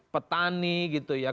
petani gitu ya